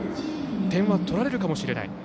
点は取られるかもしれない。